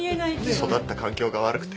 育った環境が悪くて